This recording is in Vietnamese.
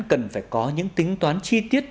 cần phải có những tính toán chi tiết